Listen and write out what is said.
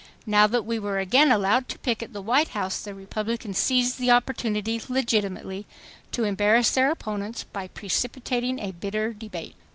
Now that we were again allowed to picket the White House, the Republicans seized the opportunity legitimately to embarrass their opponents by precipitating a bitter debate.